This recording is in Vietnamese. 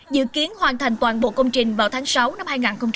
dự kiến hoàn thành toàn bộ công trình vào tháng sáu năm hai nghìn hai mươi